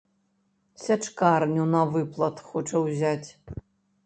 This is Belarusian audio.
Сячкарню на выплат хоча ўзяць.